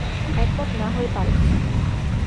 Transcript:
একমত না হয়ে পারছি না।